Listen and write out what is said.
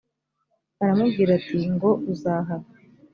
aramubwira ati ngo uzahara